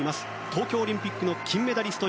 東京オリンピックの金メダリスト